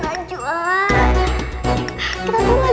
masuk ke tangan